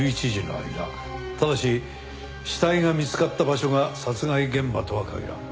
ただし死体が見つかった場所が殺害現場とは限らん。